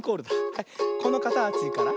はいこのかたちから。